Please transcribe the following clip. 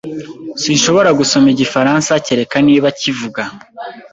Sinshobora gusoma Igifaransa, kereka niba kivuga.